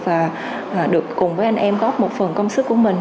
và được cùng với anh em góp một phần công sức của mình